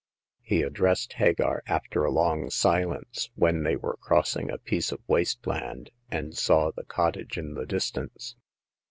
He addressed Hagar, after a long silence, when they were cross ing a piece of waste land and saw the cottage in the distance.